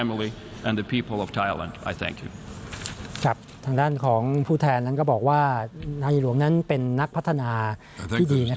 คนที่แผ่นอาจจะเป็นภูมิลักษณ์และฆ่าเพราะธรรมคีย์